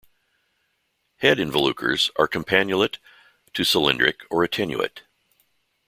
Head involucres are campanulate to cylindric or attenuate.